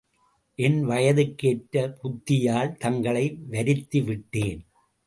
என் வயதுக்கேற்ற புத்தியால் தங்களை வருத்திவிட்டேன்!